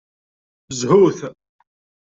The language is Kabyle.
Zhut!